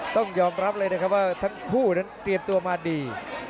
ต้องยอมรับเลยนะครับว่าทั้งคู่นั้นเตรียมตัวมาดี